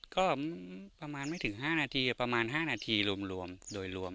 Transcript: ก็ประมาณไม่ถึง๕นาทีประมาณ๕นาทีรวมโดยรวม